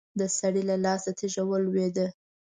د سړي له لاسه تېږه ولوېده.